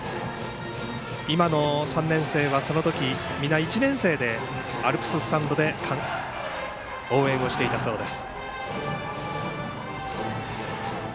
今の３年生は、その時皆、１年生でアルプススタンドで応援をしていたそうです。